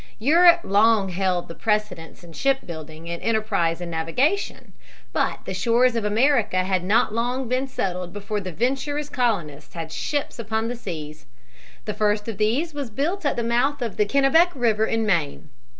Europe long held the precedence in shipbuilding and enterprise in navigation, but the shores of America had not long been settled before the venturous colonists had ships upon the seas. The first of these was built at the mouth of the Kennebec River in Maine.